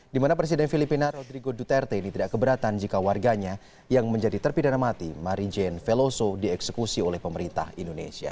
di mana presiden filipina rodrigo duterte ini tidak keberatan jika warganya yang menjadi terpidana mati marijen veloso dieksekusi oleh pemerintah indonesia